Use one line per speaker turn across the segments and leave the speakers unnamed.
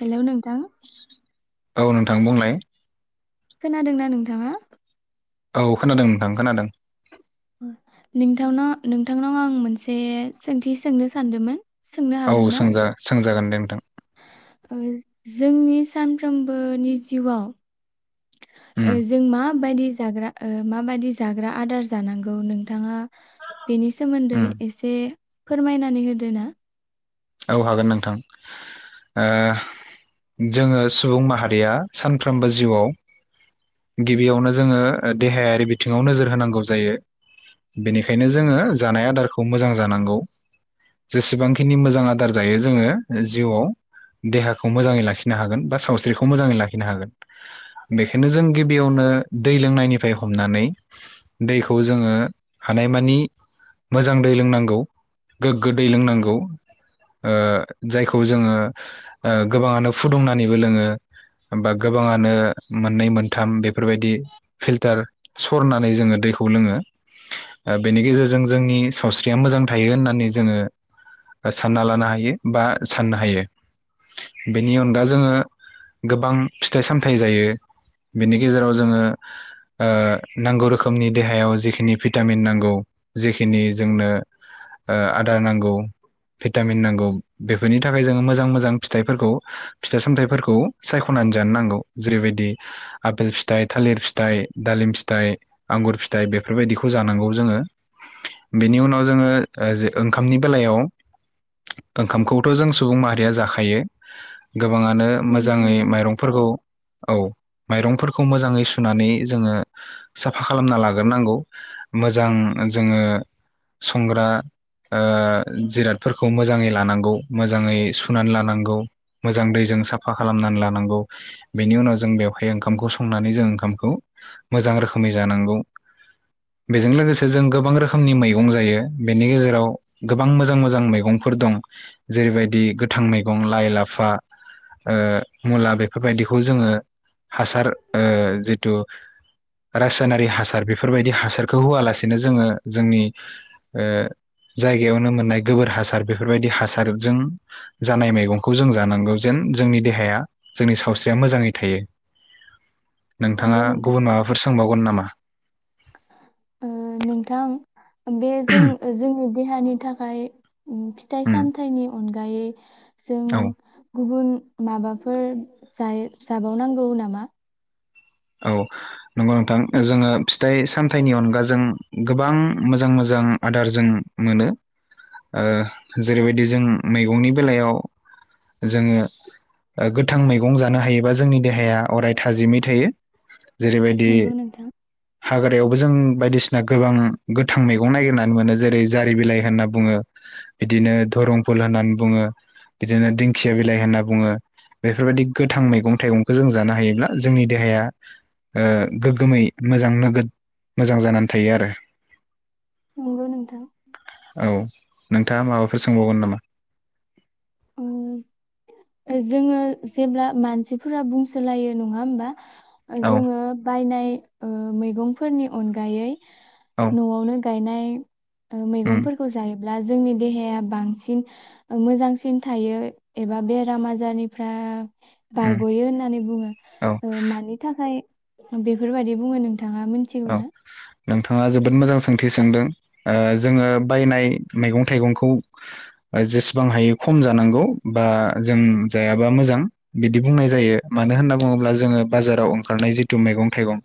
Hello नोंथां
औ नोंथां बुंलाय?
खोनादोंना नोंथाङा?
औ खोनादों नोंथां खोनादों।
नोंथांनाव नोंथांनाव आं मोनसे सोंथि सोंनो सानदोंमोन? सोंनो
औ
हागोन ना?
सोंजा सों जागोन दे नोंथां।
ओ जोंनि सानफ्रोमबोनि जिउआव
उम
जों माबायदि जाग्रा ओ माबायदि जाग्रा आदार जानांगौ नोंथाङा बेनि सोमोन्दै
उम
एसे फोरमायनानै होदो ना?
औ हागोन नोंथां ओ जोङो सुबुं माहारिया सानफ्रोमबो जिउआव गिबियावनो जोङो देहायारि बिथिङाव नोजोर होनांगौ जायो बेनिखायनो जोङो जानाय आदारखौ मोजां जानांगौ। जेसेबांखिनि मोजां आ दार जायो जोङो जिउआव देहाखौ मोजाङै लाखिनो हागोन बा सावस्रिखौ मोजाङै लाखिनो हागोन बेखायनो जों गिबियावनो दै लोंनायनिफ्राय हमनानै दैखौ जोङो हानायमानि मोजां दै लोंनांगौ गोग्गो दै लोंनांगौ। ओ जायखौ जोङो ओ गोबाङानो फुदुंनानैबो लोङो बा गोबाङानो मोननै मोनथाम बेफोरबायदि फिल्टार सरनानै जोङो दैखौ लोङो। ओ बेनि गेजेरजों जोंनि सावस्रिया मोजां थायो होननानै जोङो ओ सानना लानो हायो बा साननो हायो बेनि अनगा जोङो गोबां फिथाइ सामथाइ जायो बेनि गेजेराव जोङो ओ नांगौ रोखोमनि देहायाव जिखिनि भिटामिन नांगौ जेखिनि जोंनो ओ आदार नांगौ भिटामिन नांगौ बेफोरनि थाखाय जोङो मोजां मोजां फिथाइफोरखौ फिथाइ सामथाइफोरखौ सायख'नानै जानो नांगौ। जेरैबायदि आफेल फिथाइ, थालिर फिथाइ, दालिम फिथाइ, आंगुर फिथाइ बेफोरबायदिखौ जानांगौ जोङो। बेनि उनाव जोङो ओंखामनि बेलायाव ओंखामखौथ' जों सुबुं माहारिया जाखायो। गोबाङानो
नंगौ
मोजाङै
नोंथां
माइरंफोरखौ औ माइरंफोरखौ मोजाङै सुनानै जोङो साफा खालामना लाग्रोनांगौ मोजां जोङो संग्रा ओ फोर मोजाङै लानांगौ मोजाङै सुनानै लानांगौ मोजां दैजों साफा खालामनानै लानांगौ। बेनि उनाव जों बेवहाय ओंखामखौ संनानै जों ओंखामखौ मोजां रोखोमै जानांगौ बेजों लोगोसे जों गोबां रोखोमनि मैगं जायो बेनि गेजेराव गोबां मोजां मो जां मैगंफोर दं जेरैबादि गोथां मैगं लाइ लाफा ओ मुला बेफोर बादिखौ जोंयो हासार ओ जेथु रासायनारि हासार बेफोर बादि हासारखौ होयालासे जोंङो जोंनि ओ जायगायावनो मोननाय गोबोर हासार बेफोरबायदि हासारजों जानाय मैगंखौ जों जानांगौ जेन जोंनि देहाया जोंनि सावस्रिया मोजाङै थायो। नोंथाङा
नंगौ नोंथां
गुबुन माबाफोर सोंबावगोन ना मा?
ओ नोंथां बे जों जोंनि देहानि थाखाय फिथाइ
उम
सामथाइनि अनगायै जों
औ
गुबुन माबाफोर जायो जाबावनांगौ नामा?
औ नंगौ नोंथां जोङो फिथाइ सामथाइनि अनगाजों गोबां मोजां मोजां आदार जों मोनो ओ जेरैबायदि जों मैगंनि बेलायाव जोङो गोथां मैगं जानो हायोबा जोंनि देहाया अराय थाजिमै थायो। जेरैबायदि
नंगौ नोंथां।
हाग्रायावबो जों बायदिसिना गोबां गोथां मैगं नागिरनानै मोनो जेरै जारि बिलाइ होनना बुङो। बिदिनो दरं फुल होननानै बुङो बिदिनो दिंखिया बिलाइ होनना बुङो बेफोरबायदि गोथां मैगं थाइगंखौ जों जानो हायोब्ला जोंनि देहाया ओ गोग्गोमै मोजां नोगोद मोजां जानानै थायो आरो
नंगौ नोंथां।
औ नोंथाङा माबाफोर सोंबावगोन नामा?
ओ जोङो जेब्ला मानसिफोरा बुंसोलायो नङा होमबा।
औ
जोङो बायनाय ओ मैगंफोरनि अनगायै
औ
न'आवनो गायनाय
उम
मैगंफोरखौ जायो ब्ला जोंनि देहाया बांसिन मोजांसिन थायो एबा बेराम आजारनिफ्राय
उम
बारग'यो होननानै बुङो
औ
ओ मानि थाखाय बेफोरबायदि बुङो नों नोंथाङा मिथिगौ
औ
ना?
नोंथाङा जोबोद मोजां सोंथि सोंदों ओ जोङो बायनाय मैगं थायगंखौ जेसेबां हायो खम जानांगौ बा जों जायाबा मोजां बिदि बुंनाय जायो मानो होनना बुङोब्ला जोङो बाजाराव ओंखारनाय जिथु मैगं थाइगं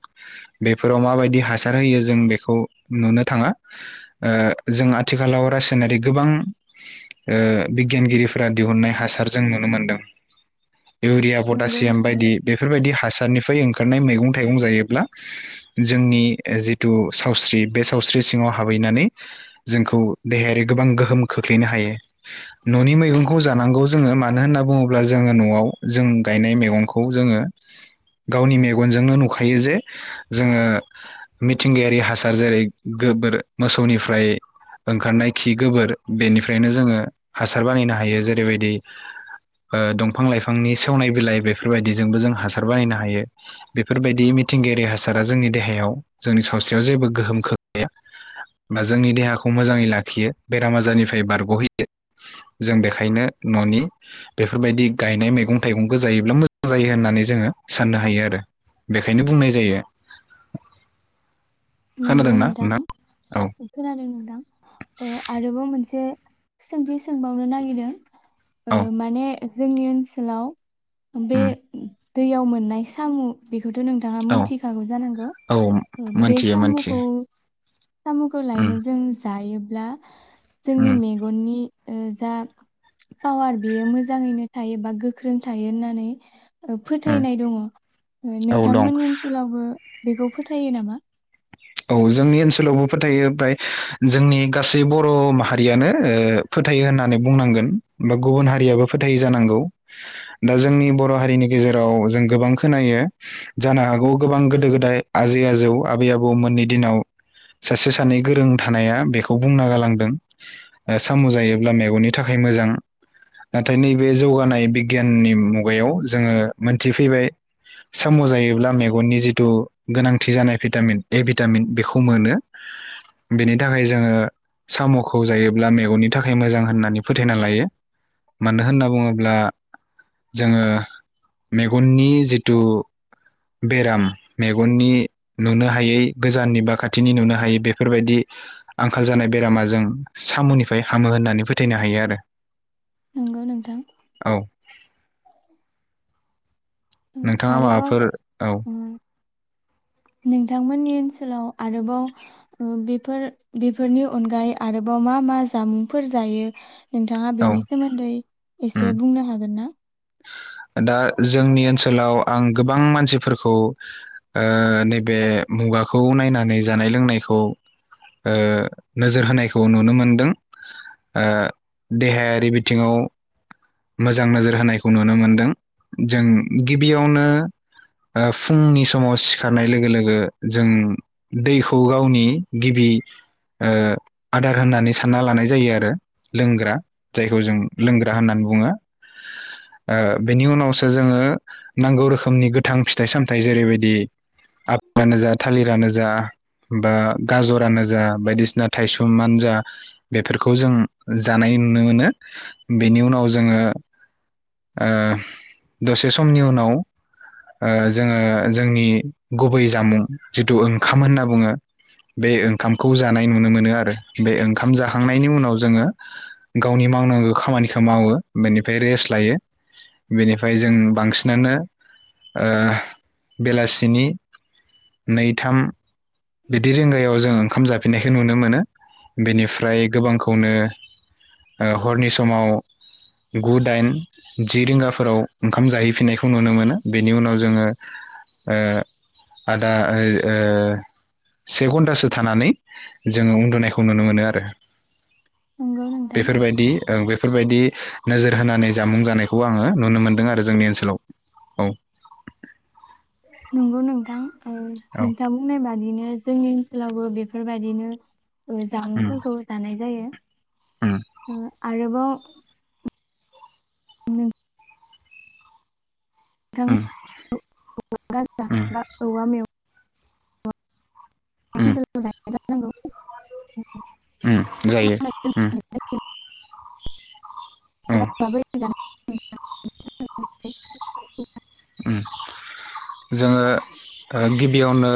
बे फोराव माबायदि हासार होयो जों बेखौ नुनो थाङा ओ जों आथिखालाव रासायनारि गोबां ओ बिगियानगिरिफोरा दिहुननाय हासार जों नुनो मोनदों। इउरिया
नंगौ
पटासियाम
नोंथां।
बायदि बेफोरबायदि हासारनि फ्राय ओंखारनाय मैगं थाइगं जायोब्ला जोंनि जिथु सावस्रि बे सावस्रि सिङाव हाबहैनानै जोंखौ देहायारि गोबां गोहोम खोख्लैनो हायो न'नि मैगंखौ जानांगौ जोङो मानो होनना बुङोब्ला जोङो न'आव जों गायनाय मैगंखौ जोङो गावनि मेगनजोंनो नुखायो जे जोङो मिथिंगायारि हासार जेरै गोबोर मोसौनिफ्राय ओंखारनाय खि गोबोर बेनिफ्रायनो जोङो हासार बानायनो हायो। जेरैबायदि दंफां लाइफांनि सेवनाय बिलाइ बेफोरबायदिजोंबो जों हासार बानायनो हायो बेफोरबायदि मिथिंगायारि हासार सारा जोंनि देहायाव जोंनि सावस्रियाव जेबो गोहोम खोखैया बा जोंनि देहाखौ मोजाङै लाखियो बेराम आजारनिफ्राय बारग'हैयो जों बेखायनो न'नि बेफोरबायदि गायनाय मैगं थाइगंखौ जायोब्ला मोजां जायो होननानै जोङो साननो हायो आरो बेखायनो बुंनाय जायो।
नंगौ
खोनादोंना
नोंथां।
नोंथां औ
खोनादों नोंथां ओ आरोबाव मोनसे सोंथि सोंबावनो नागिरदों। ओ
औ
माने जोंनि ओनसोलाव बे
उम
दैयाव मोननाय सामु। बेखौथ' नोंथाङा
औ
मोनथिखागौ जानांगौ
औ
ओ बे
मोनथियो मोनथियो
सामुखौ सामुखौ
उम
लायनो जों जायोब्ला जोंनि
उम
मेगननि ओ जा पावार बेयो मोजाङैनो थायो बा गोख्रों थायो होननानै ओ
उम
फोथायनाय दङ
औ दं
नोंथांमोननि ओनसोलावबो बेखौ फोथायो नामा
औ जोंनि ओनसोलावबो फोथायो ओमफ्राय जोंनि गासै बर' माहारियानो ओ फोथायो होननानै बुंनांगोन बा गुबुन हारियाबो फोथायो जानांगौ दा जोंनि बर' हारिनि गेजेराव जों गोबां खोनायो जानो हागौ गोबां गोदो-गोदाय आजै-आजौ आबै-आबौ आबौ मोननि दिनाव सासे सानै गोरों थानाया बेखौ बुंना गालांदों ओ सामु जायोब्ला मेगननि थाखाय मोजां नाथाय नैबे जौगानाय बिगियाननि मुगायाव जोङो मोनथिफैबाय सामु जायोब्ला मेगननि जिथु गोनांथि जानाय भिटामिन एभिटामिन बेखौ मोनो बेनि थाखाय जोङो सामुखौ जायोब्ला मेगननि थाखाय मोजां होननानै फोथायना लायो मानो होनना बुङोब्ला जोङो मेगननि जिथु बेराम मेगननि नुनो हायै गोजाननि बा खाथिनि नुनो हायि बेफोरबायदि आंखाल जानाय बेरामा जों सामुनिफ्राय हामो होननानै फोथायनो हायो आरो
नंगौ नोंथां
औ
ओ
नोंथाङा
आरोबाव
माबाफोर औ
उम नोंथांमोननि ओनसोलाव आरोबाव बेफोर बेफोरनि अनगायै आरोबाव मा मा जामुंफोर जायो। नोंथाङा
औ
बेनि सोमोन्दै एसे
उम
बुंनो हागोन ना
दा जोंनि ओनसोलाव आं गोबां मानसिफोरखौ ओ नैबे मुगाखौ नायनानै जानाय लोंनायखौ ओ नोजोर होनायखौ नुनो मोनदों ओ देहायारि बिथिङाव मोजां नोजोर होनायखौ नुनो मोनदों जों गिबियावनो ओ फुंनि समाव सिखारनाय लोगो लोगो जों दैखौ गावनि गिबि ओ आदार होननानै सानना लानाय जायो आरो लोंग्रा जायखौ जों लोंग्रा होननानै बु ङो ओ बेनि उनावसो जोङो नांगौ रोखोमनि गोथां फिथाइ-सामथाइ जेरैबायदि आप गानो जा थालिर गानो जा बा गजरानो जा बायदिसिना थायसुमानो जा बेफोरखौ जों जानाय नुनो मोनो बेनि उनाव जोङो ओ दसे समनि उनाव ओ जोङो जोंनि गुबै जामुं जिथु ओंखाम होनना बुङो। बे ओंखामखौ जानाय नुनो मोनो आरो बे ओंखाम जाखांनायनि उनाव जोङो गावनि मावनांगौ खामानिखौ मावो। बेनिफ्राय रेस्ट लायो बेनिफ्राय जों बांसिनानो ओ बेलासेनि नै थाम बिदि रिंगायाव जों ओंखाम जा फिनायखौ नुनो मोनो बेनिफ्राय गोबांखौनो ओ हरनि समाव गु दाइन जि रिंगाफोराव ओंखाम जाहैफिननायखौ नुनो मोनो बेनि उनाव जोङो ओ आदा ओ से घन्टासो थानानै जोङो उन्दुनायखौ नुनो मोनो आरो
नंगौ नोंथां
बेफोरबायदि ओं बे बेफोरबायदि नोजोर होनानै जामुं जानायखौ आङो नुनो मोनदों आरो जोंनि ओनसोलाव औ
नोंगौ नोंथां ओं
औ
नोंथां बुंनाय बादिनो जोंनि ओनसोलावबो बेफोरबायदिनो ओ
उम
जामुंफोरखौ जानाय जायो।
उम
ओ आरोबाव
उम
नोंथां
उम
[unintelligible] औवा मेव
उम।
[unintelligible]
उ जायो उम। औ
बेबा माबोरै जानो [inaudible] [unintelligible]
उम। [inaudible] जोङो ओ गिबि बेयावनो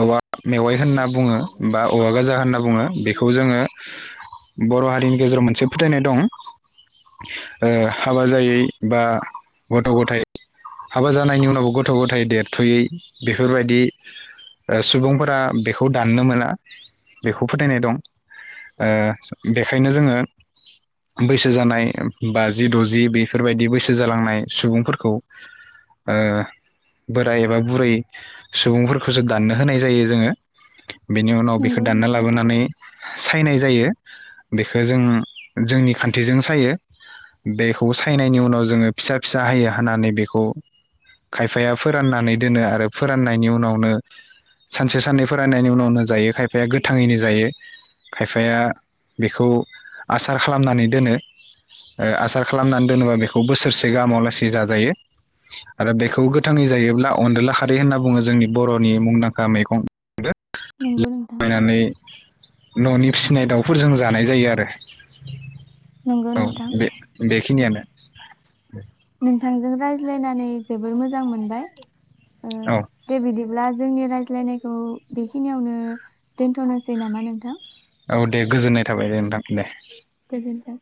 औवा। मेवाइ होनना बुङो बा औवा गोजा होनना बुङो बेखौ जोङो बर हारिनि गेजेराव मोनसे फोथायनाय ओ दं हाबा जायै बा गथ गथाय। हाबा जानायनि उनावबो गथ गथाय देरथयै बेफोरबायदि सुबुंफोरा बेखौ दाननो मोना बेखौ फोथायनाय दं ओ बेखायनो जोङो बैसो जानाय बाजि दजि बेफोरबायदि बैसो जालांनाय सुबुंफोरखौ। ओ बोराय एबा बुरै सुबुंफोरखौसो दाननो होनाय जायो जोङो। बेनि उनाव बेखौ
नंगौ
दानना
नोंथां
लाबोनानै सायनाय जायो बेखौ जों जोंनि खान्थिजों सायो बेखौ सायनायनि उनाव जोङो फिसा फिसा हायो होननानै बे बेखौ खायफाया फोराननानै दोनो आरो फोराननायनि उनावनो सानसे साननै फोराननायनि उनावनो जायो खायफाया गोथाङैनो जायो खायफाया बेखौ आसार खालामनानै दोनो आसार खालामनानै दोनोबा बेखौ बोसोरसे गाहामाव लासै जाजायो। आरो बेखौ गोथाङै जायोब्ला अनदला खारै होनना बुङो जोंनि बर'नि मुंदांखा मैगं।
नंगौ नोंथां
नानै [inaudible] न'नि फिसिनाय दाउफोरजों जानाय जायो आरो।
नंगौ
औ
नोंथां
बे बेखिनियानो।
नोंथांजों रायज्लायनानै जोबोर मोजां मोनबाय।
औ
दे बिदिब्ला जोंनि रायज्लायनायखौ बेखिनियावनो दोनथ'नोसै नामा नोंथां?
औ दे गोजोननाय थाबाय दे नोंथां। दे।
गोजोन्थों।